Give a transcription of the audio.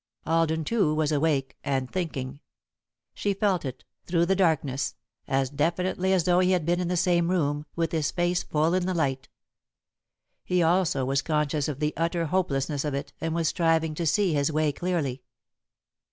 Alden, too, was awake and thinking. She felt it, through the darkness, as definitely as though he had been in the same room, with his face full in the light. He also was conscious of the utter hopelessness of it and was striving to see his way clearly.